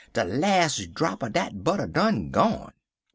'De las' drap er dat butter done gone!'